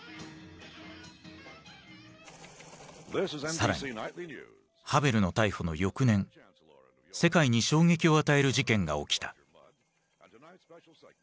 更にハヴェルの逮捕の翌年世界に衝撃を与える事件が起きた。